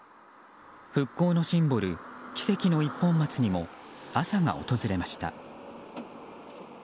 復興のシンボル奇跡の一本松にも朝が訪れました。